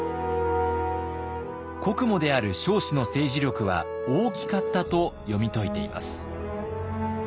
国母である彰子の政治力は大きかったと読み解いています。